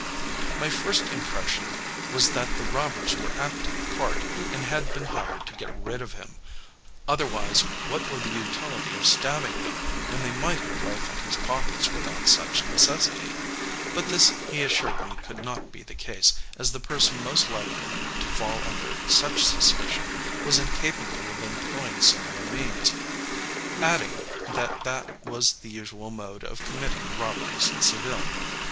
My first impression was that the robbers were acting a part, and had been hired to get rid of him, otherwise what were the utility of stabbing him, when they might have rifled his pockets without such necessity? But this he assured me could not be the case, as the person most likely to fall under such suspicion, was incapable of employing similar means; adding, that that was the usual mode of committing robberies in Seville.